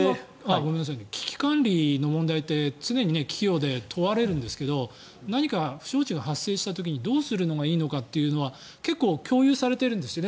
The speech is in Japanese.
危機管理の問題って常に企業で問われるんですが何か不祥事が発生した時にどうするのがいいのかということは結構、共有されているんですね